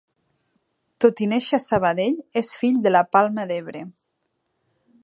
Tot i néixer a Sabadell, és fill de la Palma d'Ebre.